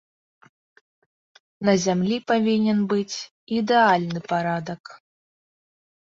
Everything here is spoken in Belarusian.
На зямлі павінен быць ідэальны парадак.